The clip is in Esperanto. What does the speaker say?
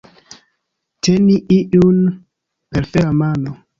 Teni iun per fera mano.